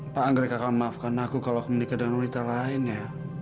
pak anggrek akan maafkan aku kalau menikah dengan wanita lain ya